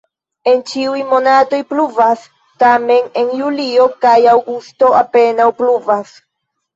En ĉiuj monatoj pluvas, tamen en julio kaj aŭgusto apenaŭ pluvas.